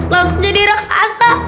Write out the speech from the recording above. langsung jadi reksasa